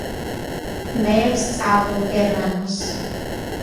მე ვსწავლობ გერმანულს